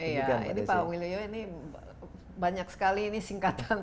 iya ini pak wiljo ini banyak sekali singkatan